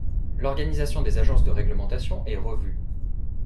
L'organisation des agences de règlementation est revue.